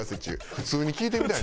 普通に聞いてみたい。